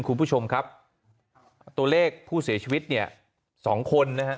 คุณผู้ชมครับตัวเลขผู้เสียชีวิต๒คน